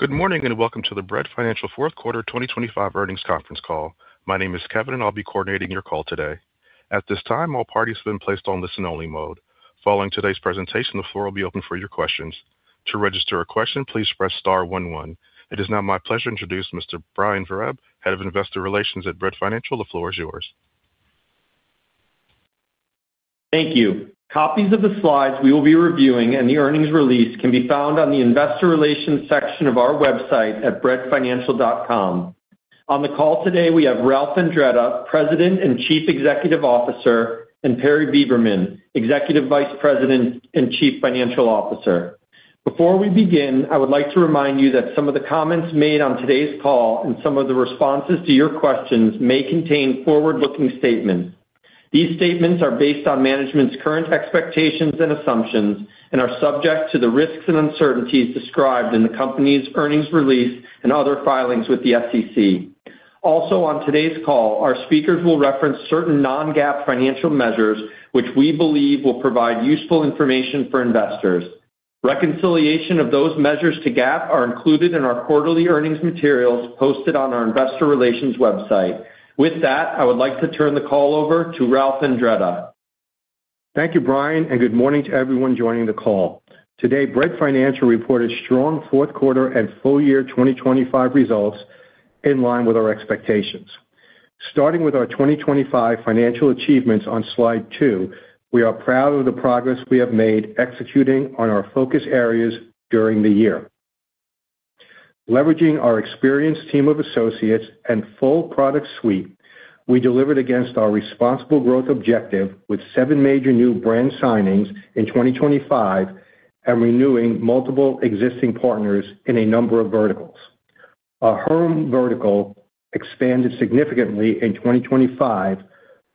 Good morning, and welcome to the Bread Financial fourth quarter 2025 earnings conference call. My name is Kevin, and I'll be coordinating your call today. At this time, all parties have been placed on listen-only mode. Following today's presentation, the floor will be open for your questions. To register a question, please press star one one. It is now my pleasure to introduce Mr. Brian Vereb, Head of Investor Relations at Bread Financial. The floor is yours. Thank you. Copies of the slides we will be reviewing and the earnings release can be found on the Investor Relations section of our website at breadfinancial.com. On the call today, we have Ralph Andretta, President and Chief Executive Officer, and Perry Beberman, Executive Vice President and Chief Financial Officer. Before we begin, I would like to remind you that some of the comments made on today's call and some of the responses to your questions may contain forward-looking statements. These statements are based on management's current expectations and assumptions and are subject to the risks and uncertainties described in the company's earnings release and other filings with the SEC. Also, on today's call, our speakers will reference certain non-GAAP financial measures, which we believe will provide useful information for investors. Reconciliation of those measures to GAAP are included in our quarterly earnings materials posted on our investor relations website. With that, I would like to turn the call over to Ralph Andretta. Thank you, Brian, and good morning to everyone joining the call. Today, Bread Financial reported strong fourth quarter and full-year 2025 results in line with our expectations. Starting with our 2025 financial achievements on slide two. We are proud of the progress we have made executing on our focus areas during the year. Leveraging our experienced team of associates and full product suite, we delivered against our responsible growth objective with seven major new brand signings in 2025 and renewing multiple existing partners in a number of verticals. Our Home vertical expanded significantly in 2025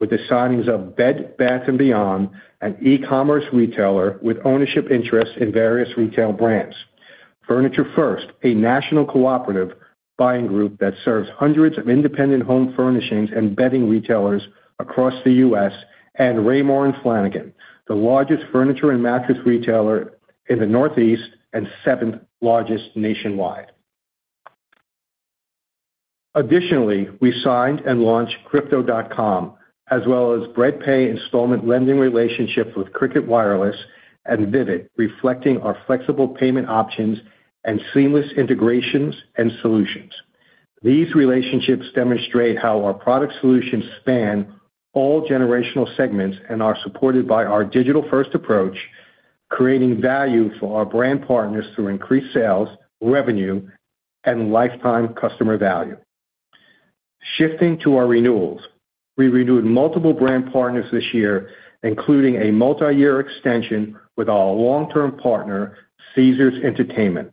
with the signings of Bed Bath & Beyond, an e-commerce retailer with ownership interests in various retail brands. Furniture First, a national cooperative buying group that serves hundreds of independent home furnishings and bedding retailers across the U.S., and Raymour & Flanigan, the largest furniture and mattress retailer in the Northeast and seventh-largest nationwide. Additionally, we signed and launched Crypto.com, as well as Bread Pay installment lending relationship with Cricket Wireless and Vivint, reflecting our flexible payment options and seamless integrations and solutions. These relationships demonstrate how our product solutions span all generational segments and are supported by our digital-first approach, creating value for our brand partners through increased sales, revenue, and lifetime customer value. Shifting to our renewals, we renewed multiple brand partners this year, including a multi-year extension with our long-term partner, Caesars Entertainment.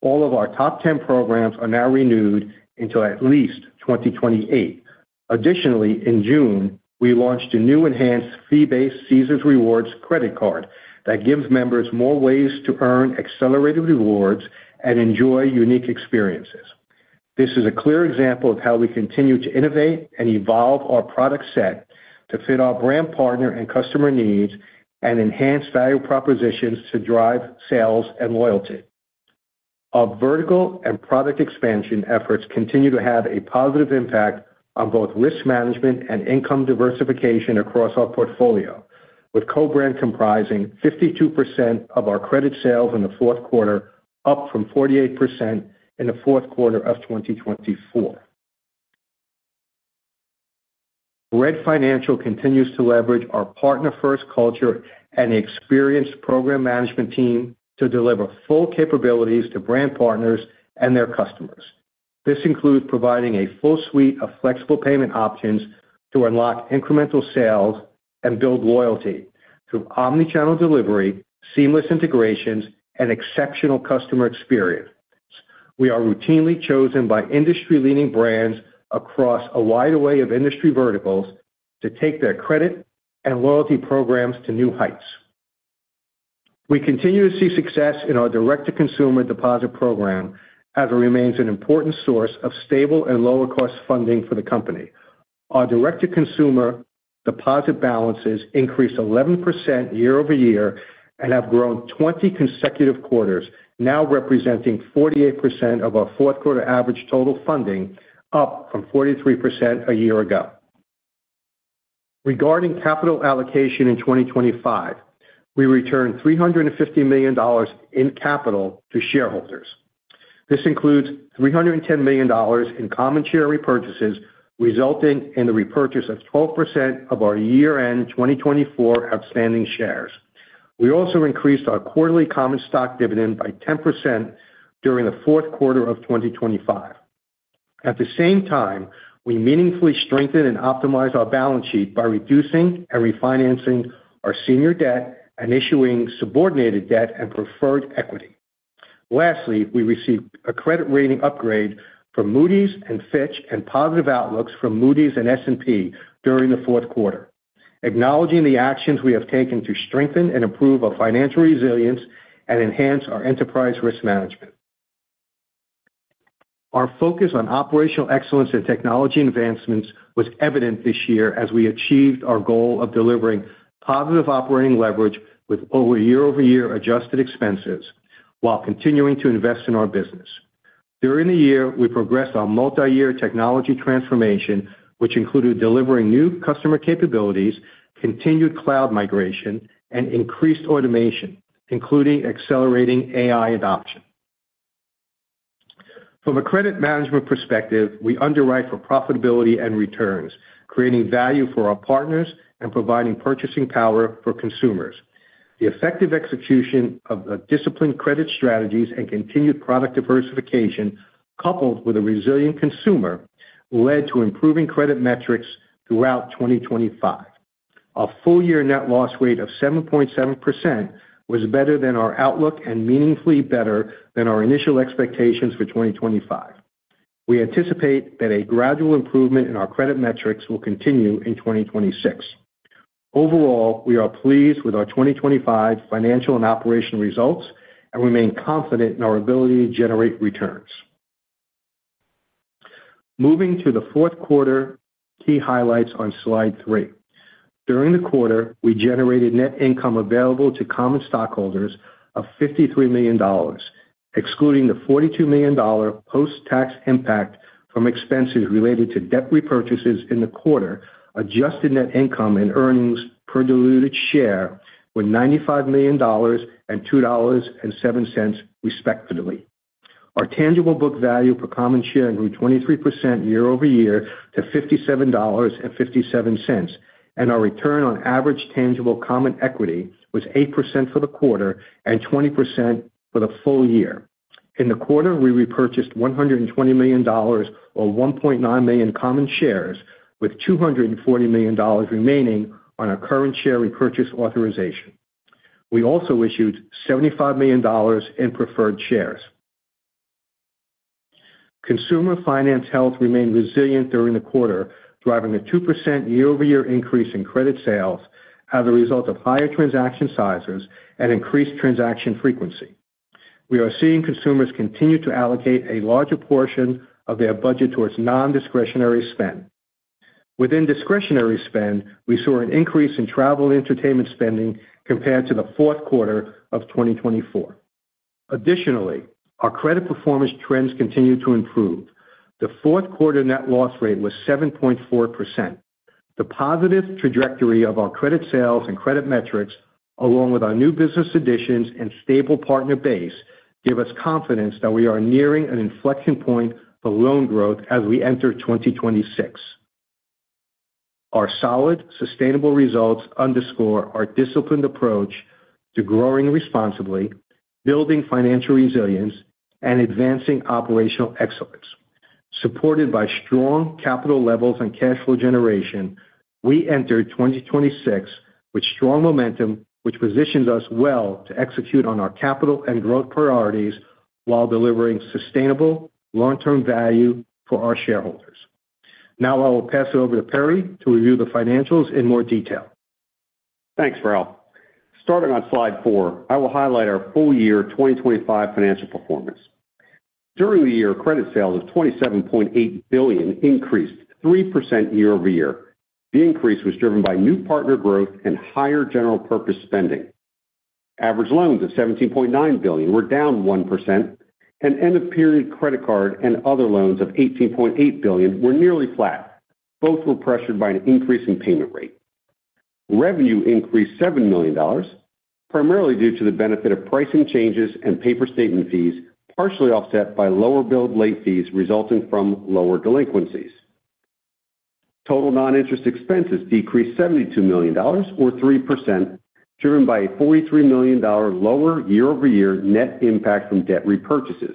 All of our top 10 programs are now renewed until at least 2028. Additionally, in June, we launched a new enhanced fee-based Caesars Rewards credit card that gives members more ways to earn accelerated rewards and enjoy unique experiences. This is a clear example of how we continue to innovate and evolve our product set to fit our brand, partner, and customer needs and enhance value propositions to drive sales and loyalty. Our vertical and product expansion efforts continue to have a positive impact on both risk management and income diversification across our portfolio, with co-brand comprising 52% of our credit sales in the fourth quarter, up from 48% in the fourth quarter of 2024. Bread Financial continues to leverage our partner-first culture and experienced program management team to deliver full capabilities to brand partners and their customers. This includes providing a full suite of flexible payment options to unlock incremental sales and build loyalty through omnichannel delivery, seamless integrations, and exceptional customer experience. We are routinely chosen by industry-leading brands across a wide array of industry verticals to take their credit and loyalty programs to new heights. We continue to see success in our direct-to-consumer deposit program as it remains an important source of stable and lower-cost funding for the company. Our direct-to-consumer deposit balances increased 11% year-over-year and have grown 20 consecutive quarters, now representing 48% of our fourth quarter average total funding, up from 43% a year ago. Regarding capital allocation in 2025, we returned $350 million in capital to shareholders. This includes $310 million in common share repurchases, resulting in the repurchase of 12% of our year-end 2024 outstanding shares. We also increased our quarterly common stock dividend by 10% during the fourth quarter of 2025. At the same time, we meaningfully strengthened and optimized our balance sheet by reducing and refinancing our senior debt and issuing subordinated debt and preferred equity. Lastly, we received a credit rating upgrade from Moody's and Fitch and positive outlooks from Moody's and S&P during the fourth quarter, acknowledging the actions we have taken to strengthen and improve our financial resilience and enhance our enterprise risk management. Our focus on operational excellence and technology advancements was evident this year as we achieved our goal of delivering positive operating leverage with over year-over-year adjusted expenses, while continuing to invest in our business. During the year, we progressed our multi-year technology transformation, which included delivering new customer capabilities, continued cloud migration, and increased automation, including accelerating AI adoption. From a credit management perspective, we underwrite for profitability and returns, creating value for our partners and providing purchasing power for consumers. The effective execution of the disciplined credit strategies and continued product diversification, coupled with a resilient consumer, led to improving credit metrics throughout 2025. Our full-year net loss rate of 7.7% was better than our outlook and meaningfully better than our initial expectations for 2025. We anticipate that a gradual improvement in our credit metrics will continue in 2026. Overall, we are pleased with our 2025 financial and operational results, and remain confident in our ability to generate returns. Moving to the fourth quarter, key highlights on slide three. During the quarter, we generated net income available to common stockholders of $53 million. Excluding the $42 million post-tax impact from expenses related to debt repurchases in the quarter, adjusted net income and earnings per diluted share were $95 million and $2.07, respectively. Our tangible book value per common share grew 23% year-over-year to $57.57, and our return on average tangible common equity was 8% for the quarter and 20% for the full year. In the quarter, we repurchased $120 million, or 1.9 million common shares, with $240 million remaining on our current share repurchase authorization. We also issued $75 million in preferred shares. Consumer finance health remained resilient during the quarter, driving a 2% year-over-year increase in credit sales as a result of higher transaction sizes and increased transaction frequency. We are seeing consumers continue to allocate a larger portion of their budget towards non-discretionary spend. Within discretionary spend, we saw an increase in travel and entertainment spending compared to the fourth quarter of 2024. Additionally, our credit performance trends continued to improve. The fourth quarter net loss rate was 7.4%. The positive trajectory of our credit sales and credit metrics, along with our new business additions and stable partner base, give us confidence that we are nearing an inflection point for loan growth as we enter 2026. Our solid, sustainable results underscore our disciplined approach to growing responsibly, building financial resilience, and advancing operational excellence. Supported by strong capital levels and cash flow generation, we enter 2026 with strong momentum, which positions us well to execute on our capital and growth priorities while delivering sustainable long-term value for our shareholders. Now I will pass it over to Perry to review the financials in more detail. Thanks, Ralph. Starting on slide four, I will highlight our full-year 2025 financial performance. During the year, credit sales of $27.8 billion increased 3% year-over-year. The increase was driven by new partner growth and higher general-purpose spending. Average loans of $17.9 billion were down 1%, and end-of-period credit card and other loans of $18.8 billion were nearly flat. Both were pressured by an increase in payment rate. Revenue increased $7 million, primarily due to the benefit of pricing changes and paper statement fees, partially offset by lower billed late fees resulting from lower delinquencies. Total non-interest expenses decreased $72 million or 3%, driven by a $43 million lower year-over-year net impact from debt repurchases.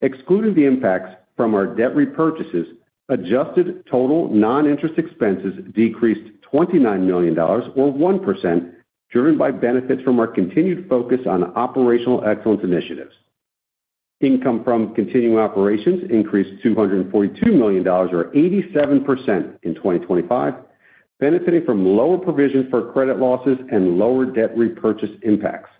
Excluding the impacts from our debt repurchases, adjusted total non-interest expenses decreased $29 million or 1%, driven by benefits from our continued focus on operational excellence initiatives. Income from continuing operations increased $242 million or 87% in 2025, benefiting from lower provisions for credit losses and lower debt repurchase impacts.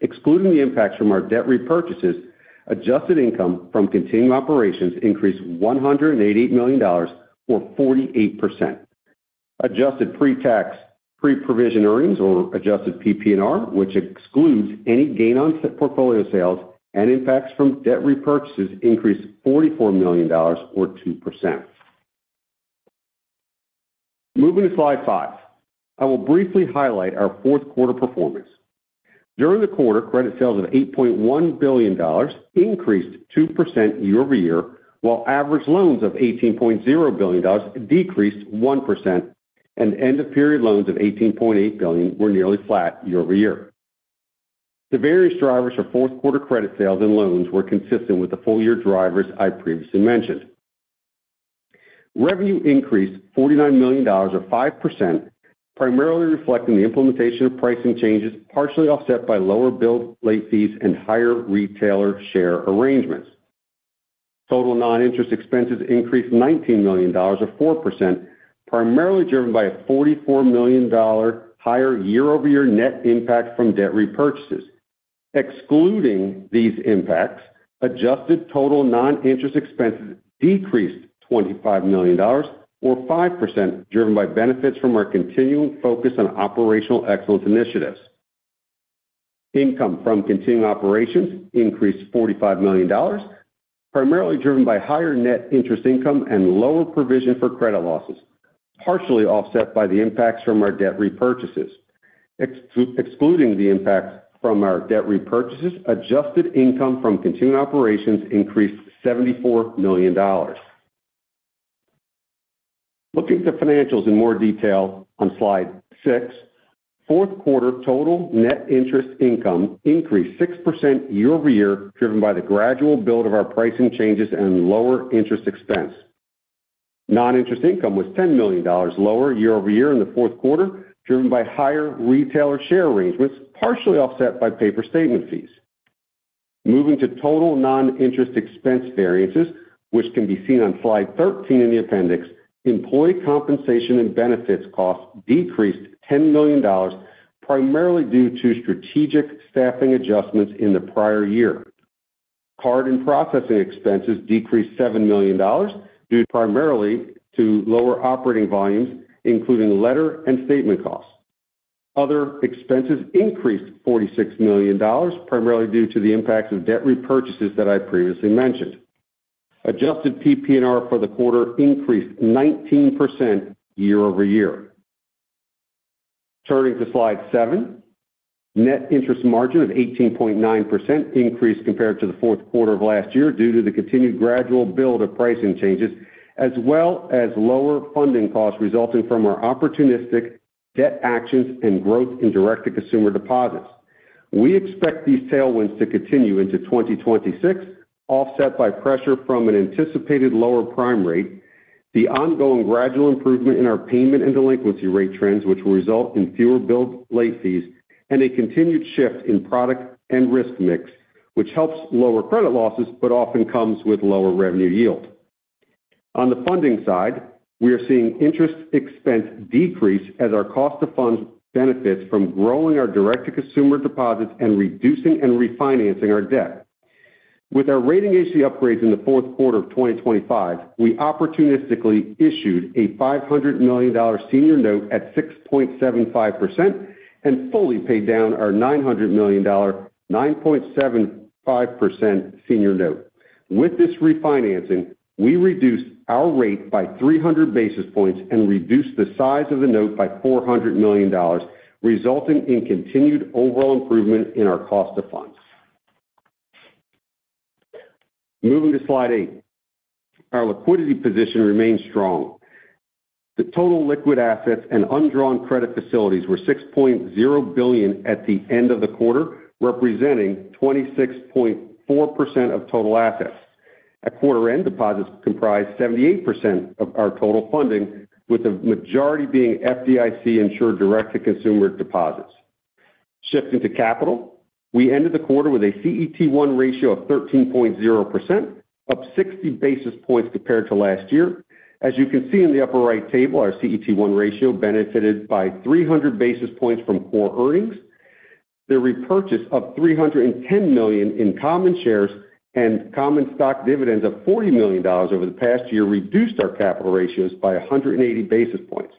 Excluding the impacts from our debt repurchases, adjusted income from continuing operations increased $188 million, or 48%. Adjusted pre-tax, pre-provision earnings, or adjusted PPNR, which excludes any gain on portfolio sales and impacts from debt repurchases, increased $44 million or 2%. Moving to slide five. I will briefly highlight our fourth quarter performance. During the quarter, credit sales of $8.1 billion increased 2% year-over-year, while average loans of $18.0 billion decreased 1%, and end-of-period loans of $18.8 billion were nearly flat year-over-year. The various drivers for fourth quarter credit sales and loans were consistent with the full-year drivers I previously mentioned. Revenue increased $49 million, or 5%, primarily reflecting the implementation of pricing changes, partially offset by lower billed late fees and higher retailer share arrangements. Total non-interest expenses increased $19 million, or 4%, primarily driven by a $44 million higher year-over-year net impact from debt repurchases. Excluding these impacts, adjusted total non-interest expenses decreased $25 million or 5%, driven by benefits from our continuing focus on operational excellence initiatives. Income from continuing operations increased $45 million, primarily driven by higher net interest income and lower provision for credit losses, partially offset by the impacts from our debt repurchases. Excluding the impacts from our debt repurchases, adjusted income from continuing operations increased $74 million. Looking at the financials in more detail on slide six, fourth quarter total net interest income increased 6% year-over-year, driven by the gradual build of our pricing changes and lower interest expense. Non-interest income was $10 million lower year-over-year in the fourth quarter, driven by higher retailer share arrangements, partially offset by paper statement fees. Moving to total non-interest expense variances, which can be seen on slide 13 in the appendix, employee compensation and benefits costs decreased $10 million, primarily due to strategic staffing adjustments in the prior year. Card and processing expenses decreased $7 million, due primarily to lower operating volumes, including letter and statement costs. Other expenses increased $46 million, primarily due to the impacts of debt repurchases that I previously mentioned. Adjusted PPNR for the quarter increased 19% year-over-year. Turning to slide seven, net interest margin of 18.9% increased compared to the fourth quarter of last year due to the continued gradual build of pricing changes, as well as lower funding costs resulting from our opportunistic debt actions and growth in direct-to-consumer deposits. We expect these tailwinds to continue into 2026, offset by pressure from an anticipated lower prime rate, the ongoing gradual improvement in our payment and delinquency rate trends, which will result in fewer billed late fees, and a continued shift in product and risk mix, which helps lower credit losses but often comes with lower revenue yield. On the funding side, we are seeing interest expense decrease as our cost of funds benefits from growing our direct-to-consumer deposits and reducing and refinancing our debt. With our rating agency upgrades in the fourth quarter of 2025, we opportunistically issued a $500 million senior note at 6.75% and fully paid down our $900 million, 9.75% senior note. With this refinancing, we reduced our rate by 300 basis points and reduced the size of the note by $400 million, resulting in continued overall improvement in our cost of funds. Moving to slide eight. Our liquidity position remains strong. The total liquid assets and undrawn credit facilities were $6.0 billion at the end of the quarter, representing 26.4% of total assets. At quarter-end, deposits comprised 78% of our total funding, with the majority being FDIC-insured direct-to-consumer deposits. Shifting to capital, we ended the quarter with a CET1 ratio of 13.0%, up 60 basis points compared to last year. As you can see in the upper right table, our CET1 ratio benefited by 300 basis points from core earnings. The repurchase of $310 million in common shares and common stock dividends of $40 million over the past year reduced our capital ratios by 180 basis points.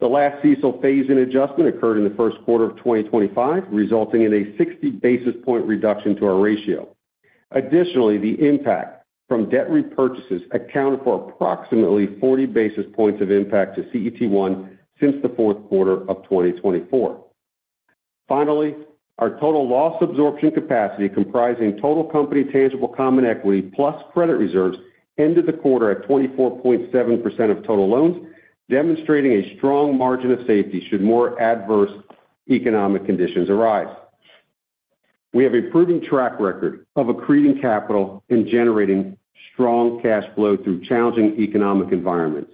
The last CECL phase-in adjustment occurred in the first quarter of 2025, resulting in a 60-basis point reduction to our ratio. Additionally, the impact from debt repurchases accounted for approximately 40 basis points of impact to CET1 since the fourth quarter of 2024. Finally, our total loss absorption capacity, comprising total company tangible common equity plus credit reserves, ended the quarter at 24.7% of total loans, demonstrating a strong margin of safety should more adverse economic conditions arise. We have a proven track record of accreting capital and generating strong cash flow through challenging economic environments.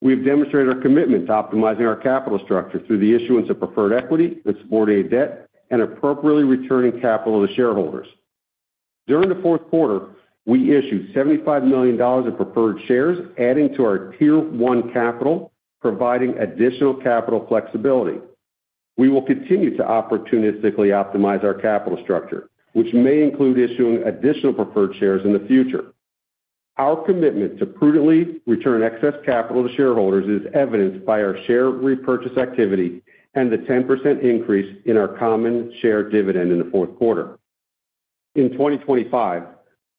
We've demonstrated our commitment to optimizing our capital structure through the issuance of preferred equity and subordinated debt and appropriately returning capital to shareholders. During the fourth quarter, we issued $75 million of preferred shares, adding to our Tier 1 capital, providing additional capital flexibility. We will continue to opportunistically optimize our capital structure, which may include issuing additional preferred shares in the future. Our commitment to prudently return excess capital to shareholders is evidenced by our share repurchase activity and the 10% increase in our common share dividend in the fourth quarter. In 2025,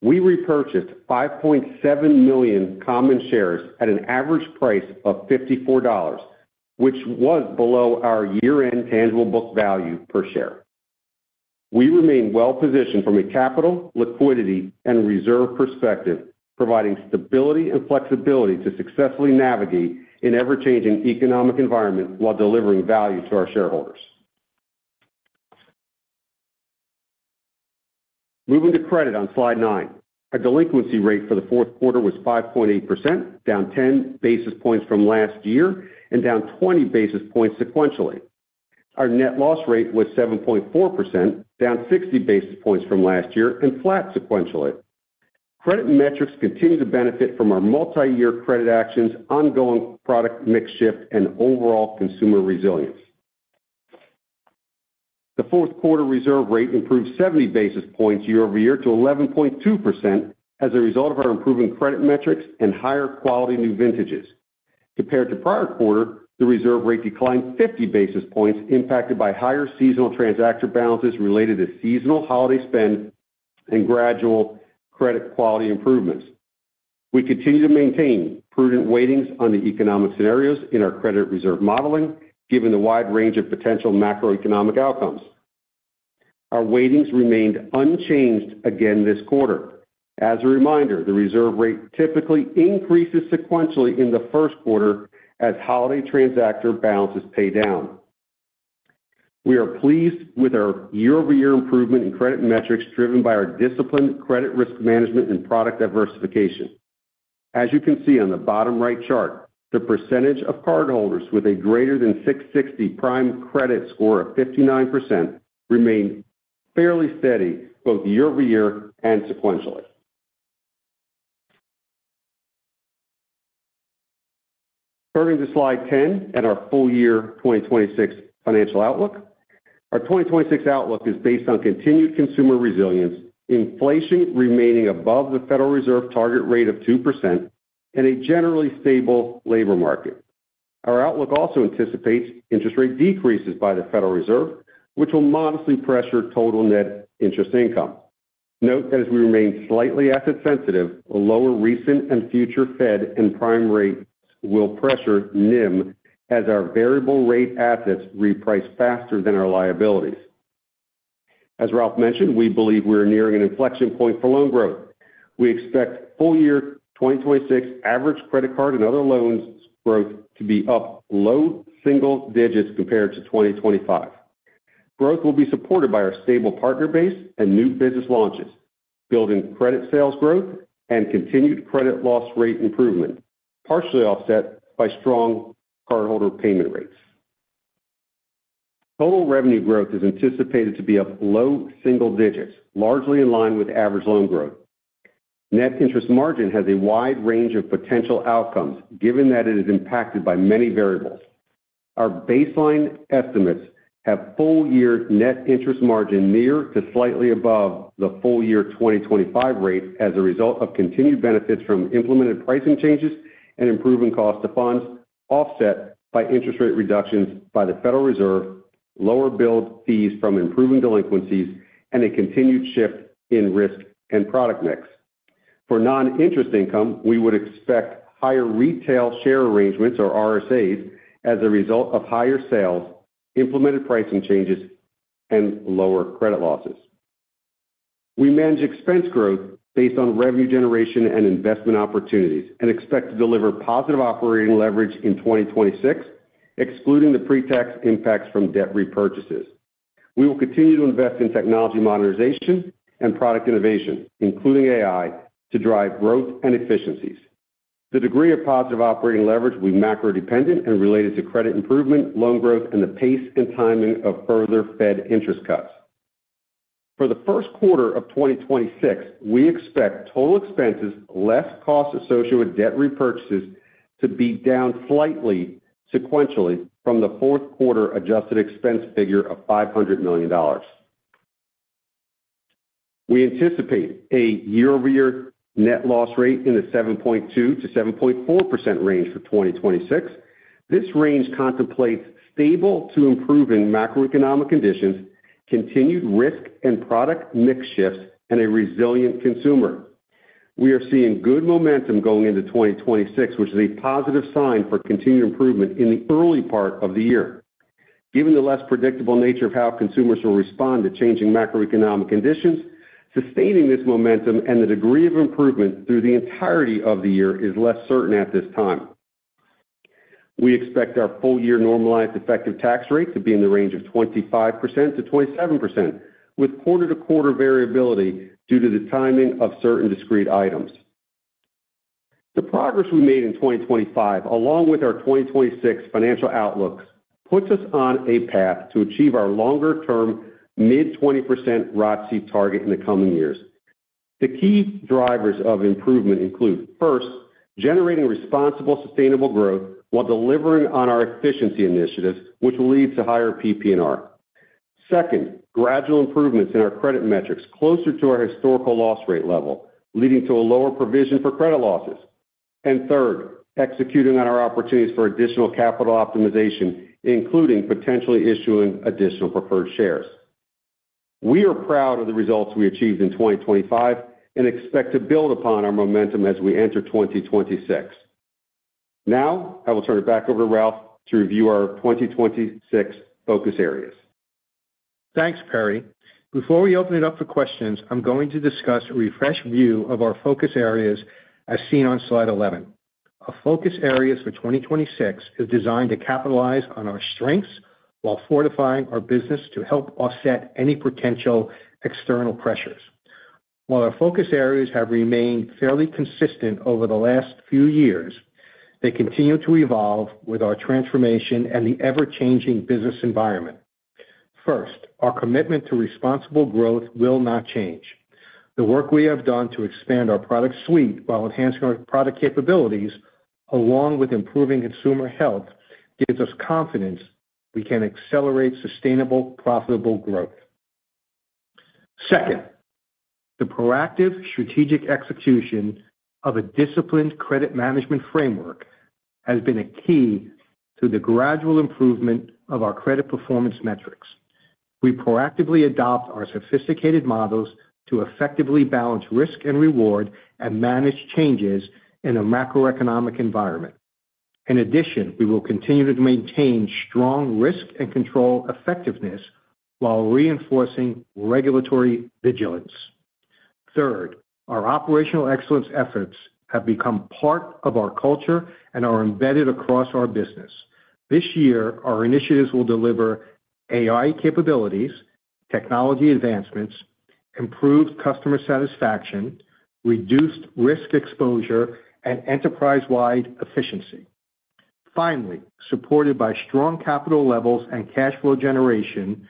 we repurchased 5.7 million common shares at an average price of $54, which was below our year-end tangible book value per share. We remain well-positioned from a capital, liquidity, and reserve perspective, providing stability and flexibility to successfully navigate an ever-changing economic environment while delivering value to our shareholders. Moving to credit on slide nine. Our delinquency rate for the fourth quarter was 5.8%, down 10 basis points from last year and down 20 basis points sequentially. Our net loss rate was 7.4%, down 60 basis points from last year and flat sequentially. Credit metrics continue to benefit from our multi-year credit actions, ongoing product mix shift, and overall consumer resilience. The fourth quarter reserve rate improved 70 basis points year-over-year to 11.2% as a result of our improving credit metrics and higher-quality new vintages. Compared to prior quarter, the reserve rate declined 50 basis points, impacted by higher seasonal transactor balances related to seasonal holiday spend and gradual credit quality improvements. We continue to maintain prudent weightings on the economic scenarios in our credit reserve modeling, given the wide range of potential macroeconomic outcomes. Our weightings remained unchanged again this quarter. As a reminder, the reserve rate typically increases sequentially in the first quarter as holiday transactor balances pay down. We are pleased with our year-over-year improvement in credit metrics, driven by our disciplined credit risk management and product diversification. As you can see on the bottom right chart, the percentage of cardholders with a greater than 660 prime credit score of 59% remained fairly steady both year-over-year and sequentially. Turning to slide 10 and our full-year 2026 financial outlook. Our 2026 outlook is based on continued consumer resilience, inflation remaining above the Federal Reserve target rate of 2%, and a generally stable labor market. Our outlook also anticipates interest rate decreases by the Federal Reserve, which will modestly pressure total net interest income. Note that as we remain slightly asset sensitive, a lower recent and future Fed and prime rates will pressure NIM, as our variable rate assets reprice faster than our liabilities. As Ralph mentioned, we believe we are nearing an inflection point for loan growth. We expect full year 2026 average credit card and other loans growth to be up low single digits compared to 2025. Growth will be supported by our stable partner base and new business launches, building credit sales growth and continued credit loss rate improvement, partially offset by strong cardholder payment rates. Total revenue growth is anticipated to be up low single digits, largely in line with average loan growth. Net interest margin has a wide range of potential outcomes, given that it is impacted by many variables. Our baseline estimates have full-year net interest margin near to slightly above the full-year 2025 rate as a result of continued benefits from implemented pricing changes and improving cost of funds, offset by interest rate reductions by the Federal Reserve, lower billed fees from improving delinquencies, and a continued shift in risk and product mix. For non-interest income, we would expect higher retailer share arrangements, or RSAs, as a result of higher sales, implemented pricing changes, and lower credit losses. We manage expense growth based on revenue generation and investment opportunities and expect to deliver positive operating leverage in 2026, excluding the pre-tax impacts from debt repurchases. We will continue to invest in technology modernization and product innovation, including AI, to drive growth and efficiencies. The degree of positive operating leverage will be macro-dependent and related to credit improvement, loan growth, and the pace and timing of further Fed interest cuts. For the first quarter of 2026, we expect total expenses, less costs associated with debt repurchases, to be down slightly sequentially from the fourth quarter adjusted expense figure of $500 million. We anticipate a year-over-year net loss rate in the 7.2%-7.4% range for 2026. This range contemplates stable to improving macroeconomic conditions, continued risk and product mix shifts, and a resilient consumer. We are seeing good momentum going into 2026, which is a positive sign for continued improvement in the early part of the year. Given the less predictable nature of how consumers will respond to changing macroeconomic conditions, sustaining this momentum and the degree of improvement through the entirety of the year is less certain at this time. We expect our full-year normalized effective tax rate to be in the range of 25%-27%, with quarter-to-quarter variability due to the timing of certain discrete items. The progress we made in 2025, along with our 2026 financial outlooks, puts us on a path to achieve our longer-term mid-20% ROTCE target in the coming years. The key drivers of improvement include, first, generating responsible, sustainable growth while delivering on our efficiency initiatives, which will lead to higher PPNR. Second, gradual improvements in our credit metrics closer to our historical loss rate level, leading to a lower provision for credit losses. Third, executing on our opportunities for additional capital optimization, including potentially issuing additional preferred shares. We are proud of the results we achieved in 2025 and expect to build upon our momentum as we enter 2026. Now, I will turn it back over to Ralph to review our 2026 focus areas. Thanks, Perry. Before we open it up for questions, I'm going to discuss a refreshed view of our focus areas as seen on slide 11. Our focus areas for 2026 is designed to capitalize on our strengths while fortifying our business to help offset any potential external pressures. While our focus areas have remained fairly consistent over the last few years, they continue to evolve with our transformation and the ever-changing business environment. First, our commitment to responsible growth will not change. The work we have done to expand our product suite while enhancing our product capabilities, along with improving consumer health, gives us confidence we can accelerate sustainable, profitable growth. Second, the proactive strategic execution of a disciplined credit management framework has been a key to the gradual improvement of our credit performance metrics. We proactively adopt our sophisticated models to effectively balance risk and reward and manage changes in a macroeconomic environment. In addition, we will continue to maintain strong risk and control effectiveness while reinforcing regulatory vigilance. Third, our operational excellence efforts have become part of our culture and are embedded across our business. This year, our initiatives will deliver AI capabilities, technology advancements, improved customer satisfaction, reduced risk exposure, and enterprise-wide efficiency. Finally, supported by strong capital levels and cash flow generation,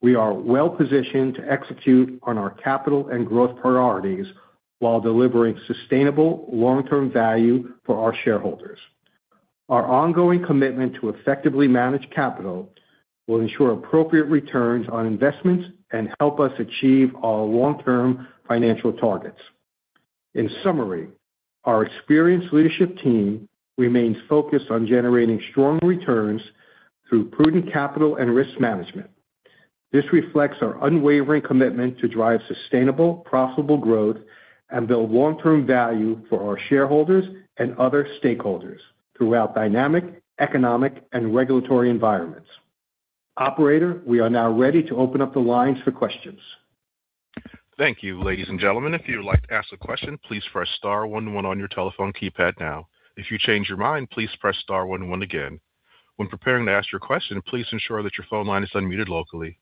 we are well positioned to execute on our capital and growth priorities while delivering sustainable long-term value for our shareholders. Our ongoing commitment to effectively manage capital will ensure appropriate returns on investments and help us achieve our long-term financial targets. In summary, our experienced leadership team remains focused on generating strong returns through prudent capital and risk management. This reflects our unwavering commitment to drive sustainable, profitable growth and build long-term value for our shareholders and other stakeholders throughout dynamic, economic, and regulatory environments. Operator, we are now ready to open up the lines for questions. Thank you. Ladies and gentlemen, if you would like to ask a question, please press star one one on your telephone keypad now. If you change your mind, please press star one one again. When preparing to ask your question, please ensure that your phone line is unmuted locally.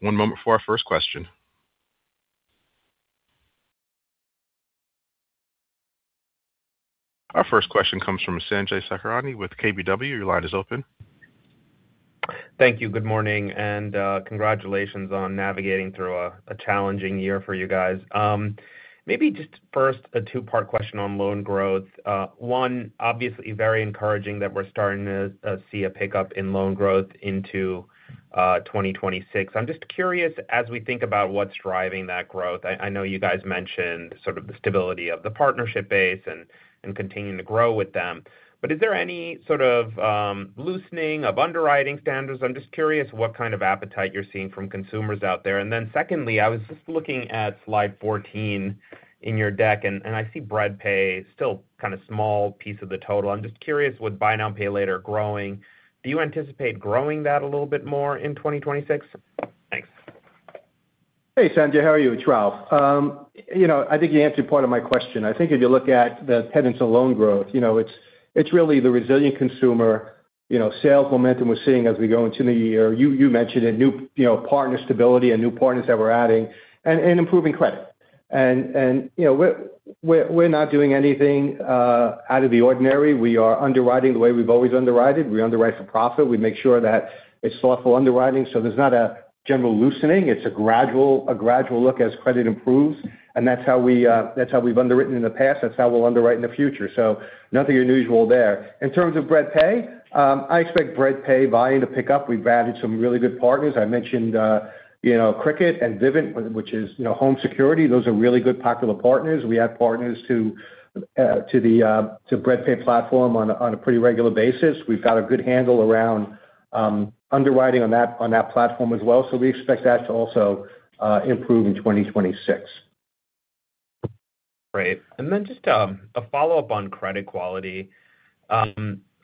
One moment for our first question. Our first question comes from Sanjay Sakhrani with KBW. Your line is open. Thank you. Good morning, and congratulations on navigating through a challenging year for you guys. Maybe just first, a two-part question on loan growth. One, obviously very encouraging that we're starting to see a pickup in loan growth into 2026. I'm just curious, as we think about what's driving that growth, I know you guys mentioned sort of the stability of the partnership base and continuing to grow with them. But is there any sort of loosening of underwriting standards? I'm just curious what kind of appetite you're seeing from consumers out there. And then secondly, I was just looking at slide 14 in your deck, and I see Bread Pay still kind of small piece of the total. I'm just curious, with buy now, pay later growing, do you anticipate growing that a little bit more in 2026? Thanks. Hey, Sanjay, how are you? It's Ralph. You know, I think you answered part of my question. I think if you look at the tenets of loan growth, you know, it's really the resilient consumer, you know, sales momentum we're seeing as we go into the year. You mentioned a new, you know, partner stability and new partners that we're adding and improving credit. And, you know, we're not doing anything out of the ordinary. We are underwriting the way we've always underwritten. We underwrite for profit. We make sure that it's thoughtful underwriting, so there's not a general loosening. It's a gradual look as credit improves, and that's how we've underwritten in the past. That's how we'll underwrite in the future. So nothing unusual there. In terms of Bread Pay, I expect Bread Pay volume to pick up. We've added some really good partners. I mentioned, you know, Cricket and Vivint, which is, you know, home security. Those are really good popular partners. We add partners to the Bread Pay platform on a pretty regular basis. We've got a good handle around underwriting on that platform as well, so we expect that to also improve in 2026. Great. And then just a follow-up on credit quality.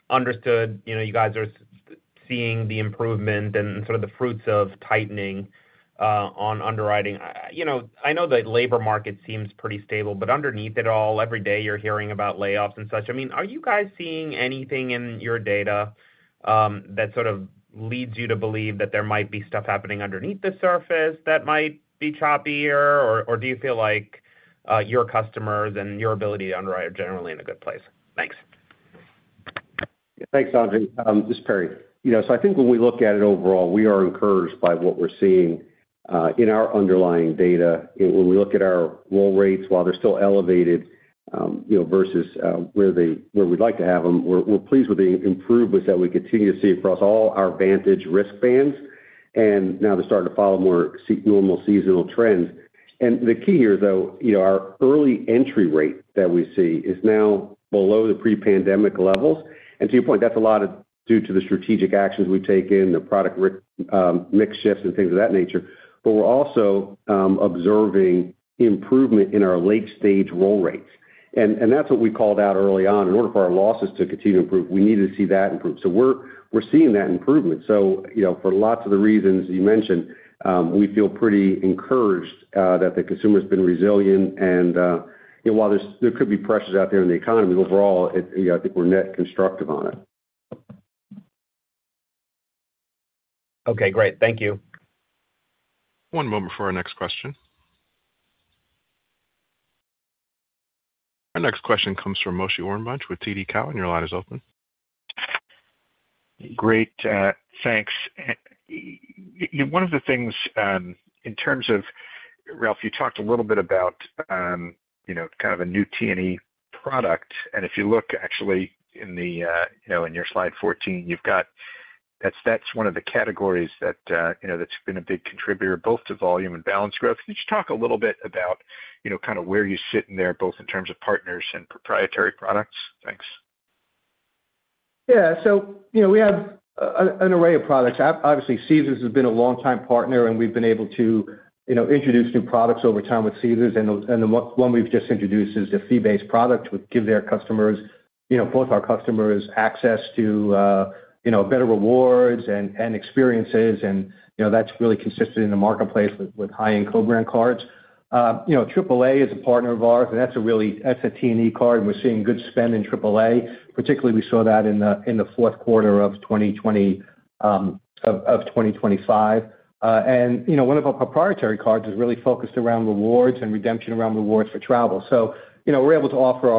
Understood, you know, you guys are seeing the improvement and sort of the fruits of tightening on underwriting. You know, I know the labor market seems pretty stable, but underneath it all, every day, you're hearing about layoffs and such. I mean, are you guys seeing anything in your data that sort of leads you to believe that there might be stuff happening underneath the surface that might be choppier, or do you feel like your customers and your ability to underwrite are generally in a good place? Thanks. Thanks, Sanjay. This is Perry. You know, so I think when we look at it overall, we are encouraged by what we're seeing in our underlying data. When we look at our roll rates, while they're still elevated, you know, versus where we'd like to have them, we're pleased with the improvements that we continue to see across all our Vantage risk bands, and now they're starting to follow more normal seasonal trends. And the key here, though, you know, our early entry rate that we see is now below the pre-pandemic levels. And to your point, that's a lot due to the strategic actions we've taken, the product mix shifts, and things of that nature. But we're also observing improvement in our late-stage roll rates, and that's what we called out early on. In order for our losses to continue to improve, we need to see that improve. So we're seeing that improvement. So, you know, for lots of the reasons you mentioned, we feel pretty encouraged that the consumer has been resilient. You know, while there could be pressures out there in the economy, overall, it, you know, I think we're net constructive on it. Okay, great. Thank you. One moment for our next question. Our next question comes from Moshe Orenbuch with TD Cowen. Your line is open. Great, thanks. One of the things, in terms of, Ralph, you talked a little bit about, you know, kind of a new T&E product. And if you look actually in the, you know, in your slide 14, you've got-- that's, that's one of the categories that, you know, that's been a big contributor, both to volume and balance growth. Could you talk a little bit about, you know, kind of where you sit in there, both in terms of partners and proprietary products? Thanks. Yeah. So, you know, we have an array of products. Obviously, Caesars has been a long-time partner, and we've been able to, you know, introduce new products over time with Caesars, and the one we've just introduced is a fee-based product, which give their customers, you know, both our customers access to, you know, better rewards and experiences, and, you know, that's really consistent in the marketplace with high-end co-brand cards. You know, AAA is a partner of ours, and that's a really- that's a T&E card, and we're seeing good spend in AAA. Particularly, we saw that in the fourth quarter of 2025. And, you know, one of our proprietary cards is really focused around rewards and redemption around rewards for travel. So, you know, we're able to offer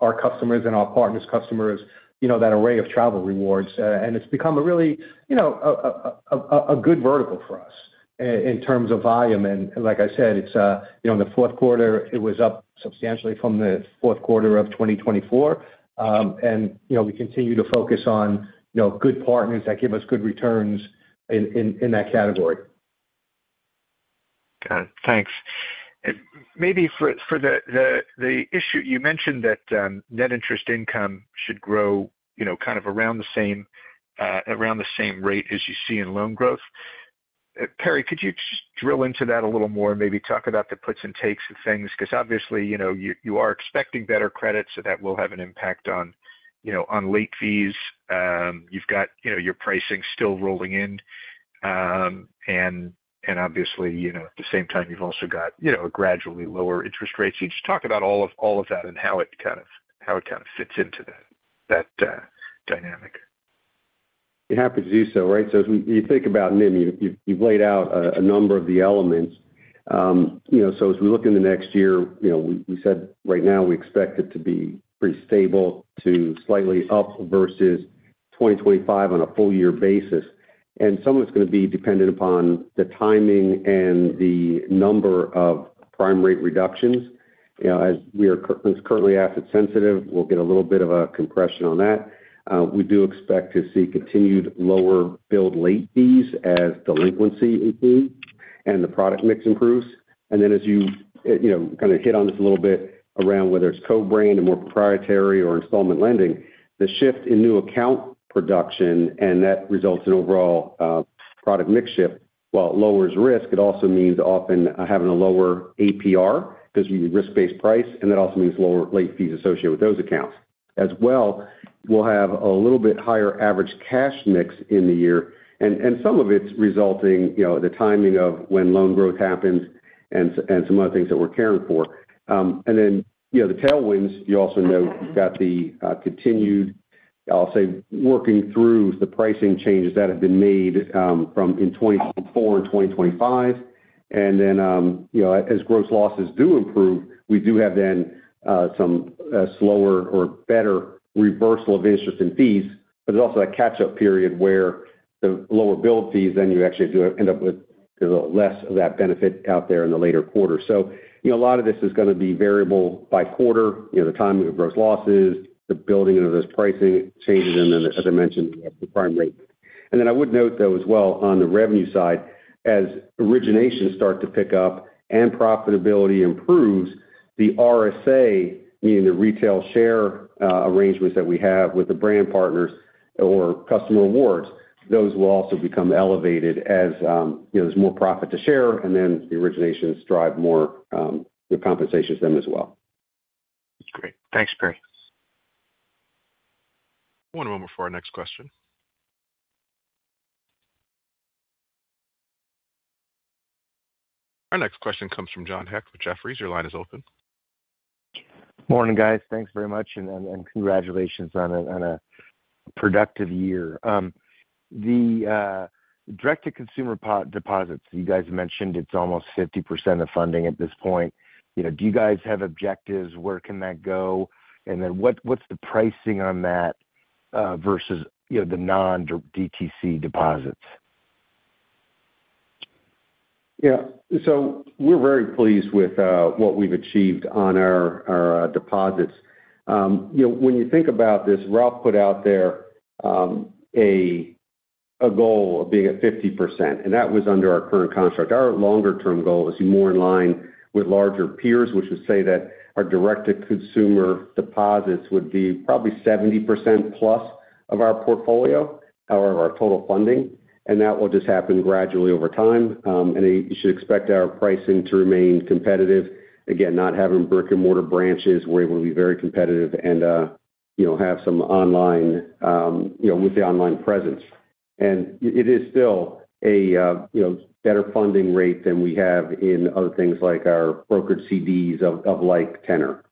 our customers and our partners' customers, you know, that array of travel rewards, and it's become a really, you know, a good vertical for us in terms of volume. And like I said, it's, you know, in the fourth quarter, it was up substantially from the fourth quarter of 2024. And, you know, we continue to focus on, you know, good partners that give us good returns in that category. Got it. Thanks. Maybe for the issue. You mentioned that net interest income should grow, you know, kind of around the same rate as you see in loan growth. Perry, could you just drill into that a little more and maybe talk about the puts and takes of things? Because obviously, you know, you are expecting better credit, so that will have an impact on, you know, on late fees. You've got, you know, your pricing still rolling in, and obviously, you know, at the same time, you've also got, you know, a gradually lower interest rate. So just talk about all of that and how it kind of fits into that dynamic. Be happy to do so. Right? So as we think about NIM, you've laid out a number of the elements. You know, so as we look in the next year, you know, we said right now we expect it to be pretty stable to slightly up versus 2025 on a full-year basis. And some of it's going to be dependent upon the timing and the number of prime rate reductions. You know, as we are currently asset sensitive, we'll get a little bit of a compression on that. We do expect to see continued lower billed late fees as delinquency improves and the product mix improves. And then as you, you know, kind of hit on this a little bit around whether it's co-brand or more proprietary or installment lending, the shift in new account production, and that results in overall, product mix shift, while it lowers risk, it also means often, having a lower APR because we risk-based price, and that also means lower late fees associated with those accounts. As well, we'll have a little bit higher average cash mix in the year, and, and some of it's resulting, you know, the timing of when loan growth happens and and some other things that we're caring for. And then, you know, the tailwinds, you also note that the, continued, I'll say, working through the pricing changes that have been made, from in 2024 and 2025. And then, you know, as gross losses do improve, we do have then, some, slower or better reversal of interest and fees. But there's also that catch-up period where the lower bill fees, then you actually do end up with less of that benefit out there in the later quarter. So, you know, a lot of this is going to be variable by quarter, you know, the timing of gross losses, the building of those pricing changes, and then, as I mentioned, the prime rate. And then I would note, though, as well, on the revenue side, as originations start to pick up and profitability improves, the RSA, meaning the retailer share arrangements that we have with the brand partners or customer rewards, those will also become elevated as, you know, there's more profit to share, and then the originations drive more, the compensation to them as well. Great. Thanks, Perry. One moment for our next question. Our next question comes from John Hecht with Jefferies. Your line is open. Morning, guys. Thanks very much and congratulations on a productive year. The direct-to-consumer deposits, you guys mentioned it's almost 50% of funding at this point. You know, do you guys have objectives? Where can that go? And then what's the pricing on that versus the non-DTC deposits? Yeah. So we're very pleased with what we've achieved on our deposits. You know, when you think about this, Ralph put out there a goal of being at 50%, and that was under our current construct. Our longer-term goal is more in line with larger peers, which would say that our direct-to-consumer deposits would be probably 70% plus of our portfolio or our total funding, and that will just happen gradually over time. And you should expect our pricing to remain competitive. Again, not having brick-and-mortar branches, we're able to be very competitive and, you know, have some online, you know, with the online presence. And it is still a, you know, better funding rate than we have in other things like our brokered CDs of like tenor.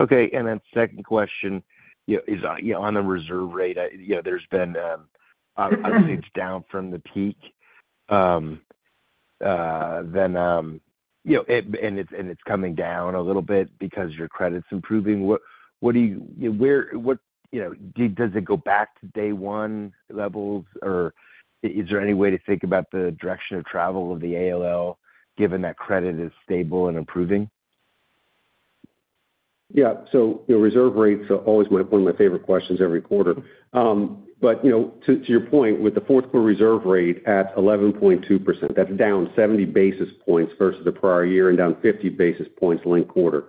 Okay, and then second question, you know, is on the reserve rate. I, you know, there's been obviously, it's down from the peak. Then, you know, it and it's coming down a little bit because your credit's improving. What do you, where, what—you know, does it go back to day one levels? Or is there any way to think about the direction of travel of the ALL, given that credit is stable and improving? Yeah, so the reserve rates are always one of my favorite questions every quarter. But, you know, to your point, with the fourth quarter reserve rate at 11.2%, that's down 70 basis points versus the prior year and down 50 basis points linked quarter.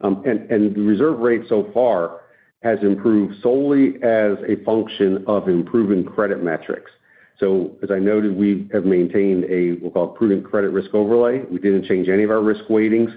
And the reserve rate so far has improved solely as a function of improving credit metrics. So as I noted, we have maintained a, we call it, prudent credit risk overlay. We didn't change any of our risk weightings,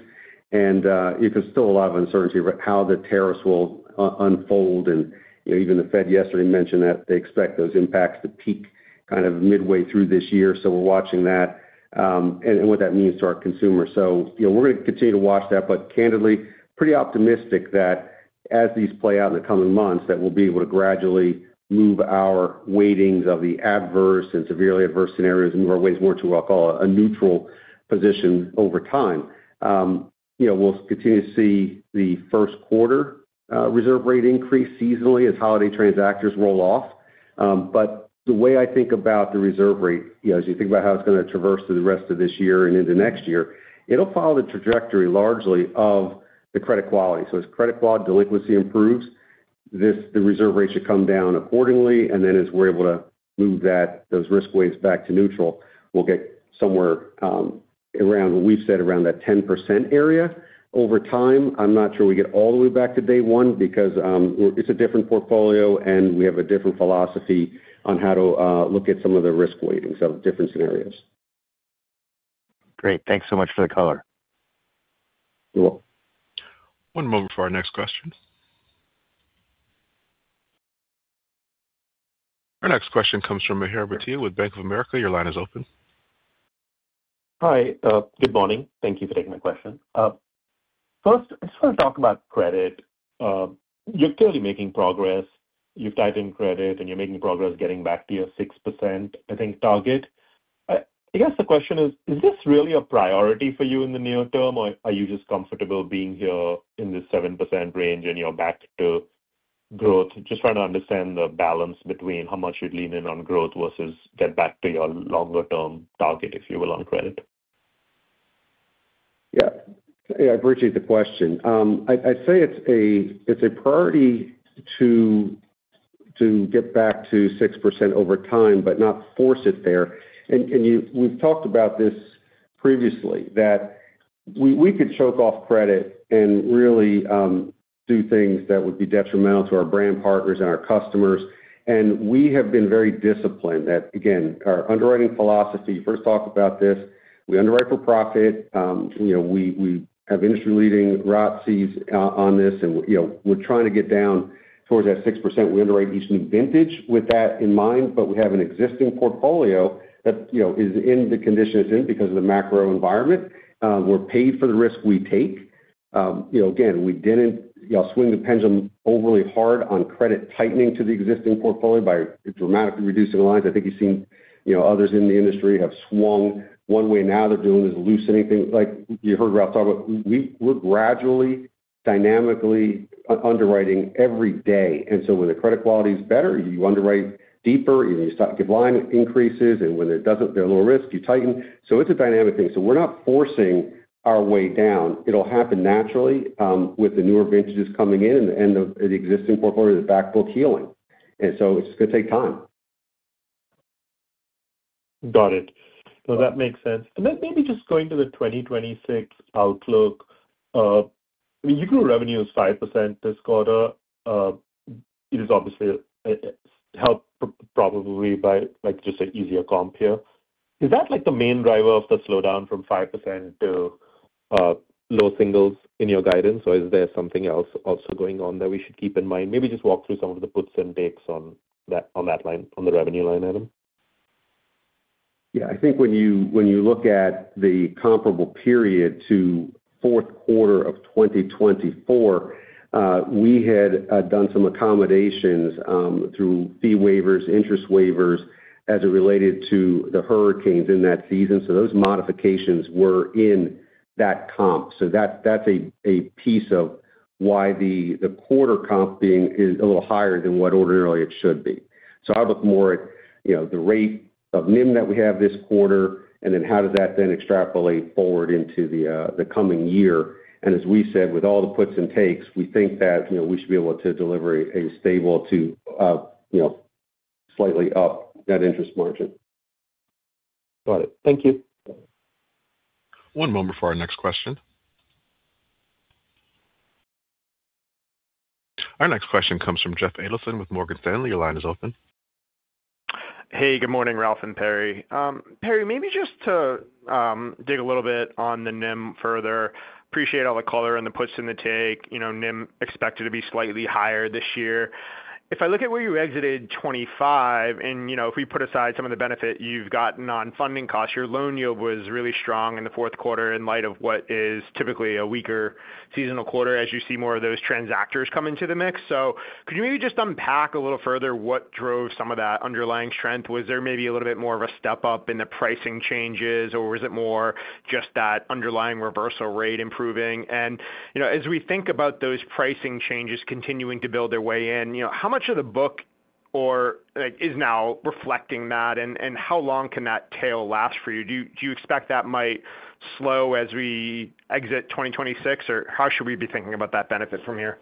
and there's still a lot of uncertainty about how the tariffs will unfold. And, you know, even the Fed yesterday mentioned that they expect those impacts to peak kind of midway through this year. So we're watching that, and what that means to our consumer. So, you know, we're going to continue to watch that, but candidly, pretty optimistic that as these play out in the coming months, that we'll be able to gradually move our weightings of the adverse and severely adverse scenarios, move our ways more to what I call a neutral position over time. You know, we'll continue to see the first quarter reserve rate increase seasonally as holiday transactors roll off. But the way I think about the reserve rate, you know, as you think about how it's going to traverse through the rest of this year and into next year, it'll follow the trajectory largely of the credit quality. So as credit quality delinquency improves, the reserve rate should come down accordingly, and then as we're able to move that, those risk weights back to neutral, we'll get somewhere, around what we've said, around that 10% area over time. I'm not sure we get all the way back to day one because, it's a different portfolio, and we have a different philosophy on how to look at some of the risk weightings of different scenarios. Great. Thanks so much for the color. You're welcome. One moment for our next question. Our next question comes from Mihir Bhatia with Bank of America. Your line is open. Hi, good morning. Thank you for taking my question. First, I just want to talk about credit. You're clearly making progress. You've tightened credit, and you're making progress getting back to your 6%, I think, target. I guess the question is: Is this really a priority for you in the near term, or are you just comfortable being here in this 7% range and you're back to growth? Just trying to understand the balance between how much you'd lean in on growth versus get back to your longer-term target, if you will, on credit. Yeah. Yeah, I appreciate the question. I'd, I'd say it's a priority to get back to 6% over time, but not force it there. And, and you- we've talked about this previously, that we could choke off credit and really do things that would be detrimental to our brand partners and our customers. And we have been very disciplined that, again, our underwriting philosophy, first talked about this, we underwrite for profit, you know, we have industry-leading ROTCE on this, and, you know, we're trying to get down towards that 6%. We underwrite each new vintage with that in mind, but we have an existing portfolio that, you know, is in the condition it's in because of the macro environment. We're paid for the risk we take. You know, again, we didn't, you know, swing the pendulum overly hard on credit tightening to the existing portfolio by dramatically reducing the lines. I think you've seen, you know, others in the industry have swung one way, now they're doing is loosening things. Like you heard Ralph talk about, we're gradually, dynamically underwriting every day. And so when the credit quality is better, you underwrite deeper, you give line increases, and when it doesn't, there are lower risks, you tighten. So it's a dynamic thing. So we're not forcing our way down. It'll happen naturally, with the newer vintages coming in and the existing portfolio, the back book healing. And so it's going to take time. Got it. No, that makes sense. Then maybe just going to the 2026 outlook. I mean, you grew revenue is 5% this quarter. It is obviously helped probably by, like, just an easier comp here. Is that, like, the main driver of the slowdown from 5% to low singles in your guidance? Or is there something else also going on that we should keep in mind? Maybe just walk through some of the puts and takes on that, on that line, on the revenue line. Yeah. I think when you look at the comparable period to fourth quarter of 2024, we had done some accommodations through fee waivers, interest waivers, as it related to the hurricanes in that season. So those modifications were in that comp. So that's a piece of why the quarter comp being is a little higher than what ordinarily it should be. So I look more at, you know, the rate of NIM that we have this quarter, and then how does that then extrapolate forward into the coming year. And as we said, with all the puts and takes, we think that, you know, we should be able to deliver a stable to, you know, slightly up that interest margin. Got it. Thank you. One moment for our next question. Our next question comes from Jeff Adelson with Morgan Stanley. Your line is open. Hey, good morning, Ralph and Perry. Perry, maybe just to dig a little bit on the NIM further. Appreciate all the color and the puts and the take. You know, NIM expected to be slightly higher this year. If I look at where you exited 2025, and, you know, if we put aside some of the benefit you've gotten on funding costs, your loan yield was really strong in the fourth quarter in light of what is typically a weaker seasonal quarter as you see more of those transactors come into the mix. So could you maybe just unpack a little further what drove some of that underlying strength? Was there maybe a little bit more of a step-up in the pricing changes, or was it more just that underlying reversal rate improving? You know, as we think about those pricing changes continuing to build their way in, you know, how much of the book or, like, is now reflecting that, and how long can that tail last for you? Do you expect that might slow as we exit 2026, or how should we be thinking about that benefit from here?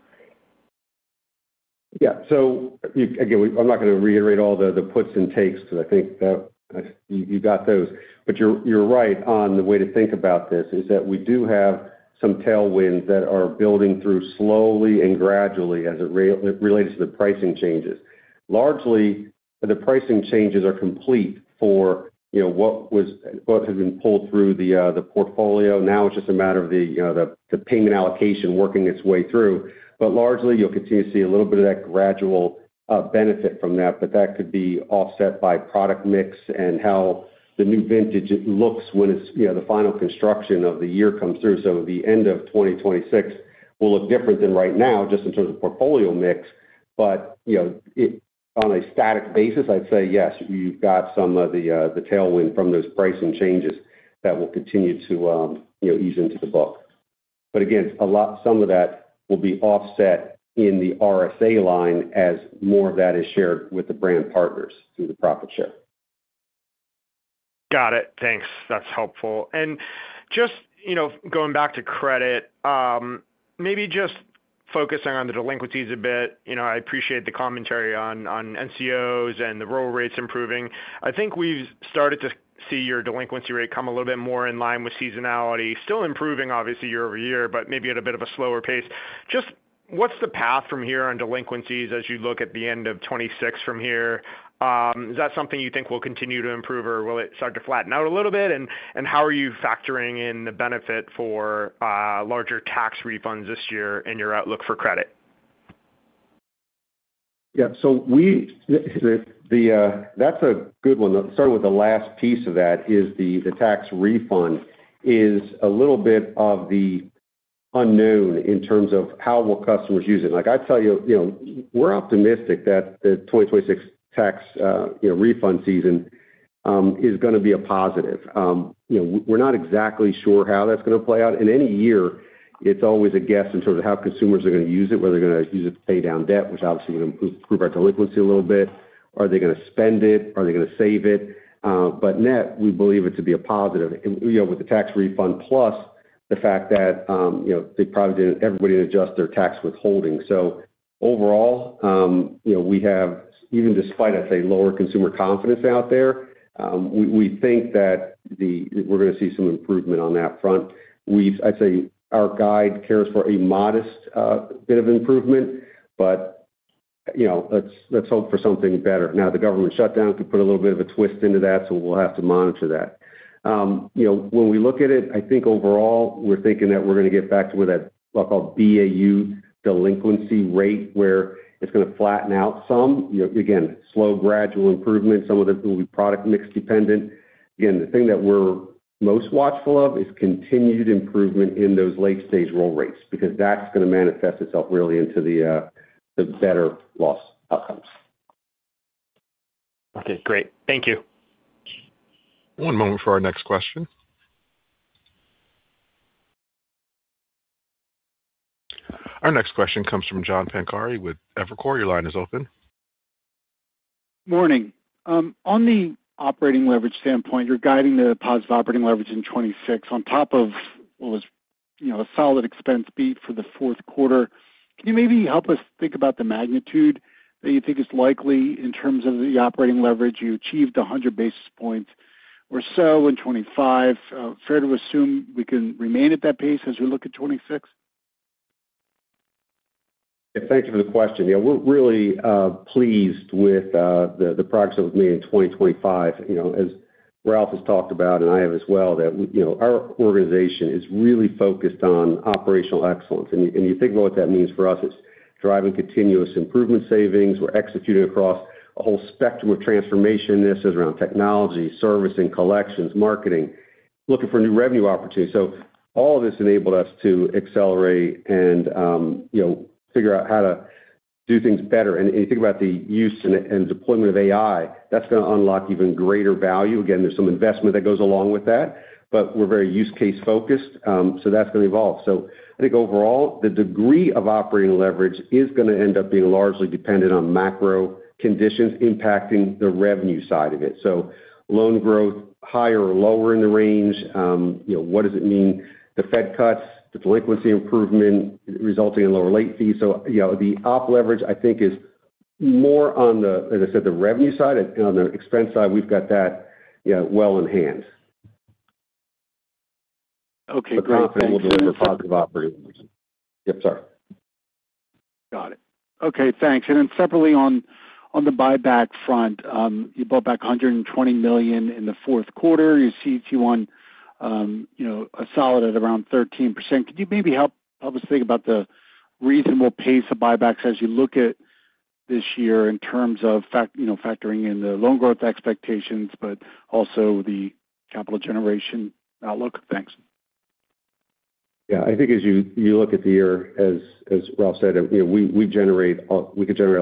Yeah. So, again, I'm not going to reiterate all the puts and takes, because I think that you got those. But you're right on the way to think about this, is that we do have some tailwinds that are building through slowly and gradually as it relates to the pricing changes. Largely, the pricing changes are complete for, you know, what has been pulled through the portfolio. Now it's just a matter of the, you know, the payment allocation working its way through. But largely, you'll continue to see a little bit of that gradual benefit from that, but that could be offset by product mix and how the new vintage looks when it's, you know, the final construction of the year comes through. So the end of 2026 will look different than right now, just in terms of portfolio mix. But, you know, on a static basis, I'd say, yes, you've got some of the tailwind from those pricing changes that will continue to, you know, ease into the book. But again, some of that will be offset in the RSA line as more of that is shared with the brand partners through the profit share. Got it. Thanks. That's helpful. And just, you know, going back to credit, maybe just focusing on the delinquencies a bit. You know, I appreciate the commentary on NCOs and the roll rates improving. I think we've started to see your delinquency rate come a little bit more in line with seasonality. Still improving, obviously, year-over-year, but maybe at a bit of a slower pace. Just what's the path from here on delinquencies as you look at the end of 2026 from here? Is that something you think will continue to improve, or will it start to flatten out a little bit? And how are you factoring in the benefit for larger tax refunds this year in your outlook for credit? Yeah. So that's a good one. Starting with the last piece of that, the tax refund is a little bit of the unknown in terms of how will customers use it. Like I'd tell you, you know, we're optimistic that the 2026 tax, you know, refund season is going to be a positive. You know, we're not exactly sure how that's going to play out. In any year, it's always a guess in terms of how consumers are going to use it, whether they're going to use it to pay down debt, which obviously would improve our delinquency a little bit. Are they going to spend it? Are they going to save it? But net, we believe it to be a positive, you know, with the tax refund plus the fact that, you know, they probably didn't everybody to adjust their tax withholding. So overall, you know, we have, even despite, I'd say, lower consumer confidence out there, we, we think that we're going to see some improvement on that front. I'd say our guide cares for a modest bit of improvement, but, you know, let's, let's hope for something better. Now, the government shutdown could put a little bit of a twist into that, so we'll have to monitor that. You know, when we look at it, I think overall, we're thinking that we're going to get back to where that so-called BAU delinquency rate, where it's going to flatten out some. You know, again, slow, gradual improvement. Some of it will be product mix dependent. Again, the thing that we're most watchful of is continued improvement in those late-stage roll rates, because that's going to manifest itself really into the better loss outcomes. Okay, great. Thank you. One moment for our next question. Our next question comes from John Pancari with Evercore. Your line is open. Morning. On the operating leverage standpoint, you're guiding the positive operating leverage in 2026 on top of what was, you know, a solid expense beat for the fourth quarter. Can you maybe help us think about the magnitude that you think is likely in terms of the operating leverage? You achieved 100 basis points or so in 2025. Fair to assume we can remain at that pace as we look at 2026? Thank you for the question. Yeah, we're really pleased with the progress that was made in 2025. You know, as Ralph has talked about, and I have as well, that you know, our organization is really focused on operational excellence. And you think about what that means for us, it's driving continuous improvement savings. We're executing across a whole spectrum of transformation. This is around technology, servicing, collections, marketing, looking for new revenue opportunities. So all of this enabled us to accelerate and, you know, figure out how to do things better. And you think about the use and deployment of AI, that's going to unlock even greater value. Again, there's some investment that goes along with that, but we're very use case-focused, so that's going to evolve. So I think overall, the degree of operating leverage is going to end up being largely dependent on macro conditions impacting the revenue side of it. So loan growth, higher or lower in the range, you know, what does it mean? The Fed cuts, the delinquency improvement resulting in lower late fees. So, you know, the op leverage, I think, is more on the, as I said, the revenue side. On the expense side, we've got that, you know, well in hand. Okay, great. But we'll deliver positive operating. Yep, sorry. Got it. Okay, thanks. Then separately on the buyback front, you bought back $120 million in the fourth quarter. You see Q1, you know, a solid at around 13%. Could you maybe help us think about the reasonable pace of buybacks as you look at this year in terms of fact, you know, factoring in the loan growth expectations, but also the capital generation outlook? Thanks. Yeah, I think as you look at the year, as Ralph said, you know, we can generate a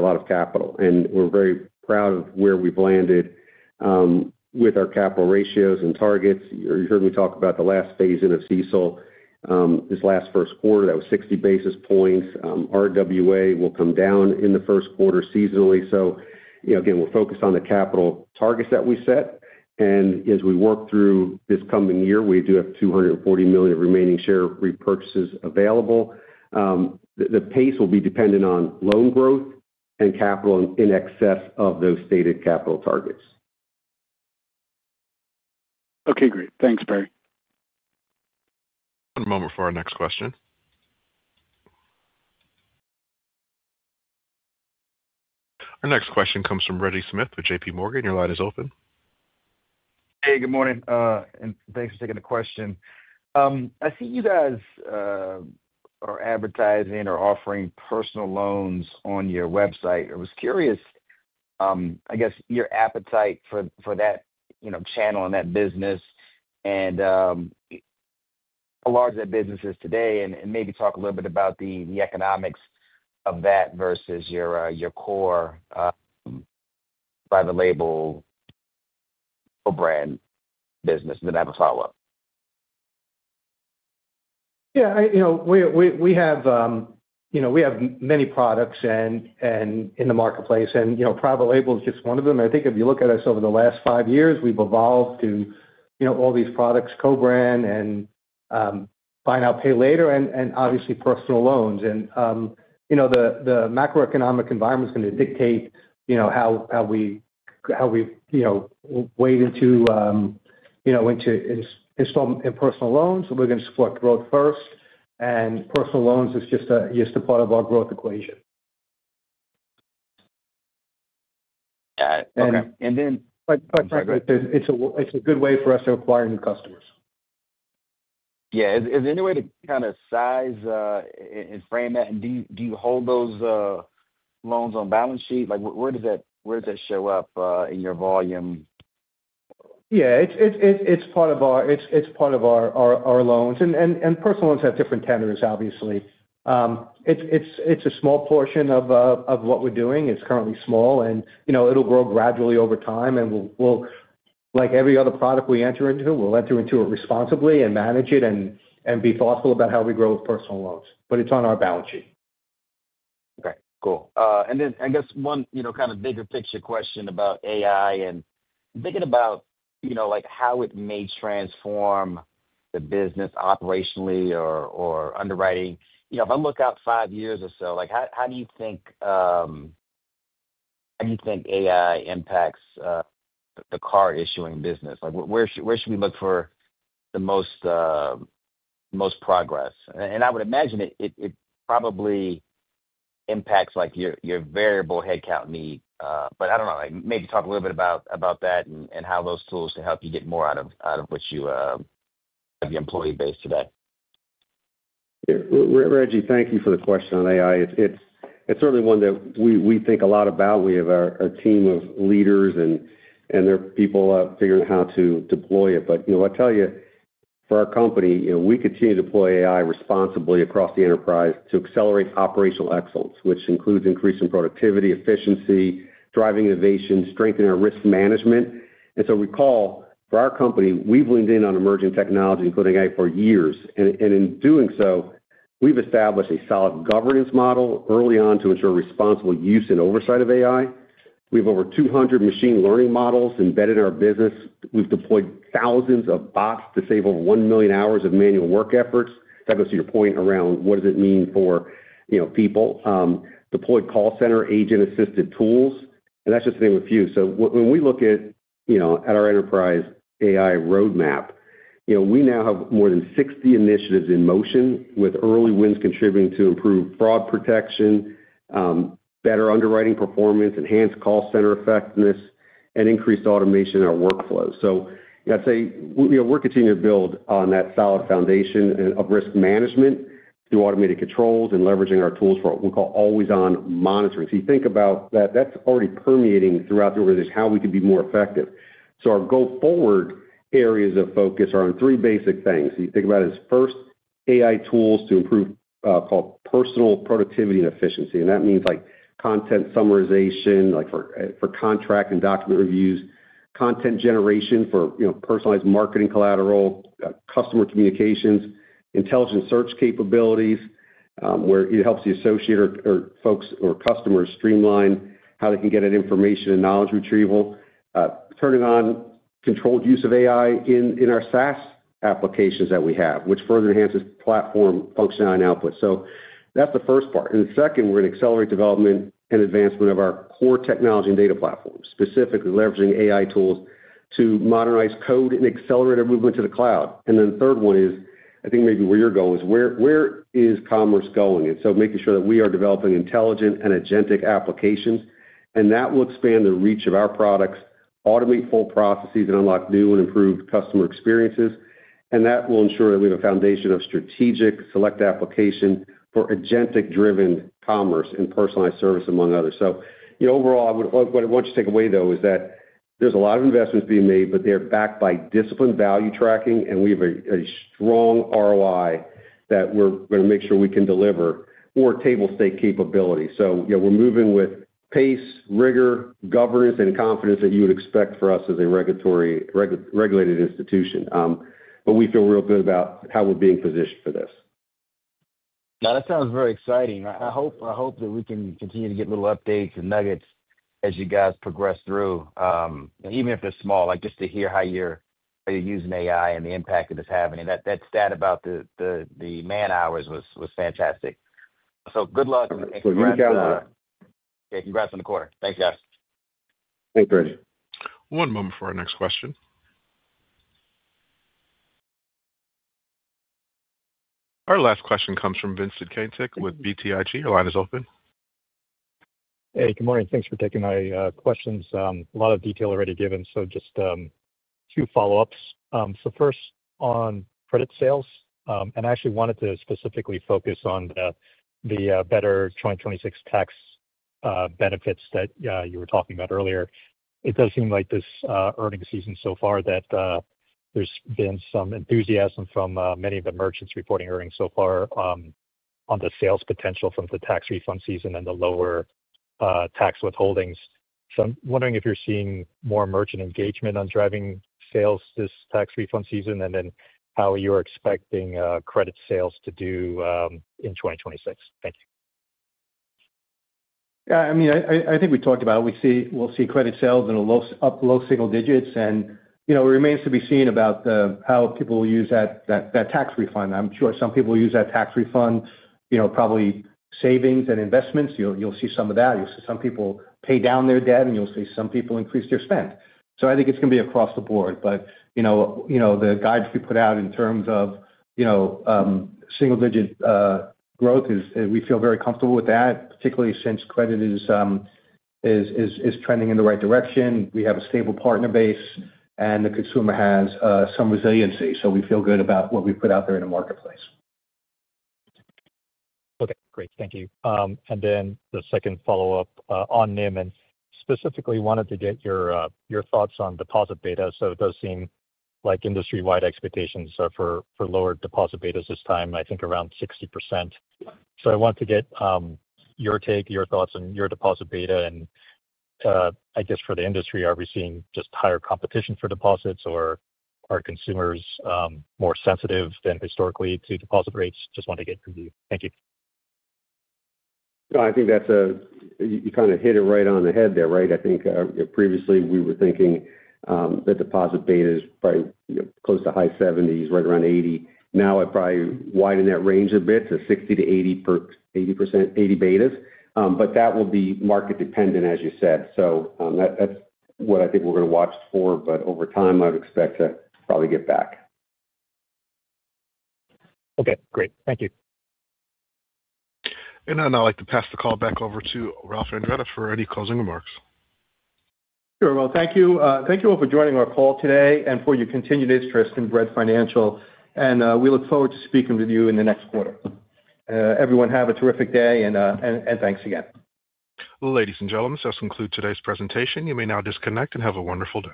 lot of capital, and we're very proud of where we've landed with our capital ratios and targets. You heard me talk about the last phase-in of CECL, this last first quarter, that was 60 basis points. RWA will come down in the first quarter seasonally. So, you know, again, we're focused on the capital targets that we set. And as we work through this coming year, we do have $240 million remaining share repurchases available. The pace will be dependent on loan growth and capital in excess of those stated capital targets. Okay, great. Thanks, Perry. One moment for our next question. Our next question comes from Reggie Smith with JPMorgan. Your line is open. Hey, good morning, and thanks for taking the question. I see you guys are advertising or offering personal loans on your website. I was curious, I guess, your appetite for that, you know, channel and that business, and how large that business is today, and maybe talk a little bit about the economics of that versus your core private label or brand business. And then I have a follow-up. Yeah, you know, we have many products and in the marketplace, and you know, private label is just one of them. I think if you look at us over the last five years, we've evolved to, you know, all these products, co-brand and buy now, pay later, and obviously personal loans. You know, the macroeconomic environment is going to dictate, you know, how we wade into installment and personal loans. We're going to support growth first, and personal loans is just a part of our growth equation. Got it. Okay. And then- But it's a good way for us to acquire new customers. Yeah. Is there any way to kind of size and frame that? And do you hold those loans on balance sheet? Like, where does that show up in your volume? Yeah, it's part of our loans, and personal loans have different tenures, obviously. It's a small portion of what we're doing. It's currently small, and, you know, it'll grow gradually over time, and we'll, like every other product we enter into, we'll enter into it responsibly and manage it and be thoughtful about how we grow personal loans, but it's on our balance sheet. Okay, cool. And then I guess one, you know, kind of bigger picture question about AI and thinking about, you know, like, how it may transform the business operationally or underwriting. You know, if I look out five years or so, like, how do you think AI impacts the card issuing business? Like, where should we look for the most progress? And I would imagine it probably impacts, like, your variable headcount need, but I don't know, like, maybe talk a little bit about that and how those tools to help you get more out of what you have the employee base today. Yeah. Reggie, thank you for the question on AI. It's certainly one that we think a lot about. We have our team of leaders and there are people out figuring how to deploy it. But, you know, I'll tell you, for our company, you know, we continue to deploy AI responsibly across the enterprise to accelerate operational excellence, which includes increasing productivity, efficiency, driving innovation, strengthening our risk management. And so recall, for our company, we've leaned in on emerging technology, including AI, for years. And in doing so, we've established a solid governance model early on to ensure responsible use and oversight of AI. We have over 200 machine learning models embedded in our business. We've deployed thousands of bots to save over 1 million hours of manual work efforts. That goes to your point around what does it mean for, you know, people. Deployed call center agent-assisted tools, and that's just to name a few. So when we look at, you know, at our enterprise AI roadmap, you know, we now have more than 60 initiatives in motion, with early wins contributing to improved fraud protection, better underwriting performance, enhanced call center effectiveness, and increased automation in our workflows. So I'd say, you know, we're continuing to build on that solid foundation and of risk management through automated controls and leveraging our tools for what we call always-on monitoring. So you think about that, that's already permeating throughout the organization, how we can be more effective. So our go-forward areas of focus are on three basic things. You think about it as, first, AI tools to improve called personal productivity and efficiency, and that means, like, content summarization, like, for contract and document reviews, content generation for, you know, personalized marketing collateral, customer communications, intelligent search capabilities, where it helps the associate or folks or customers streamline how they can get that information and knowledge retrieval. Turning on controlled use of AI in our SaaS applications that we have, which further enhances platform functionality and output. So that's the first part. And the second, we're going to accelerate development and advancement of our core technology and data platforms, specifically leveraging AI tools to modernize code and accelerate our movement to the cloud. And then the third one is, I think maybe where you're going, is where is commerce going? Making sure that we are developing intelligent and agentic applications, and that will expand the reach of our products, automate full processes, and unlock new and improved customer experiences. That will ensure that we have a foundation of strategic select application for agentic-driven commerce and personalized service, among others. So, you know, overall, what, what I want you to take away, though, is that there's a lot of investments being made, but they're backed by disciplined value tracking, and we have a strong ROI that we're going to make sure we can deliver for table stake capability. So, you know, we're moving with pace, rigor, governance, and confidence that you would expect for us as a regulated institution. But we feel real good about how we're being positioned for this. Now, that sounds very exciting. I hope, I hope that we can continue to get little updates and nuggets as you guys progress through. Even if they're small, like, just to hear how you're using AI and the impact it is having. And that stat about the man-hours was fantastic. So good luck and congrats. Yeah, congrats on the quarter. Thank you, guys. Thanks, Reggie. One moment before our next question. Our last question comes from Vincent Caintic with BTIG. Your line is open. Hey, good morning. Thanks for taking my questions. A lot of detail already given, so just two follow-ups. So first on credit sales, and I actually wanted to specifically focus on the better 2026 tax benefits that you were talking about earlier. It does seem like this earnings season so far, that there's been some enthusiasm from many of the merchants reporting earnings so far, on the sales potential from the tax refund season and the lower tax withholdings. So I'm wondering if you're seeing more merchant engagement on driving sales this tax refund season, and then how you're expecting credit sales to do in 2026. Thank you. Yeah, I mean, I think we talked about we'll see credit sales in up low-single digits and, you know, it remains to be seen about the how people will use that tax refund. I'm sure some people will use that tax refund, you know, probably savings and investments. You'll see some of that. You'll see some people pay down their debt, and you'll see some people increase their spend. So I think it's going to be across the board. But, you know, you know, the guides we put out in terms of, you know, single-digit growth is, we feel very comfortable with that, particularly since credit is trending in the right direction. We have a stable partner base, and the consumer has some resiliency. So we feel good about what we put out there in the marketplace. Okay, great. Thank you. And then the second follow-up on NIM, and specifically wanted to get your thoughts on deposit beta. So it does seem like industry-wide expectations are for lower deposit betas this time, I think around 60%. So I want to get your take, your thoughts on your deposit beta. And I guess for the industry, are we seeing just higher competition for deposits, or are consumers more sensitive than historically to deposit rates? Just want to get from you. Thank you. No, I think that's you kind of hit it right on the head there, right? I think previously we were thinking the deposit beta is probably close to high 70s, right around 80. Now, I'd probably widen that range a bit to 60%-80%, 80 betas. But that will be market dependent, as you said. So, that's what I think we're going to watch for, but over time, I'd expect to probably get back. Okay, great. Thank you. I'd now like to pass the call back over to Ralph Andretta for any closing remarks. Sure. Well, thank you. Thank you all for joining our call today and for your continued interest in Bread Financial, and we look forward to speaking with you in the next quarter. Everyone, have a terrific day, and thanks again. Ladies and gentlemen, this concludes today's presentation. You may now disconnect and have a wonderful day.